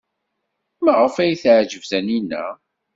Maɣef ay teɛjeb Taninna?